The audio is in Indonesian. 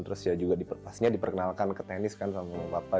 terus ya juga pastinya diperkenalkan ke tenis kan sama sama papa